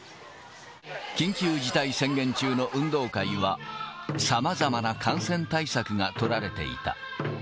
緊急事態宣言中の運動会は、さまざまな感染対策が取られていた。